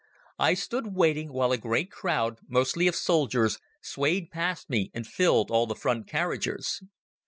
I stood waiting, while a great crowd, mostly of soldiers, swayed past me and filled all the front carriages.